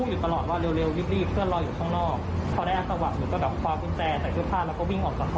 อืม